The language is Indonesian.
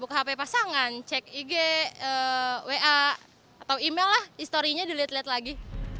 buka hp pasangan cek ig wa atau email lah historinya dilihat lihat lagi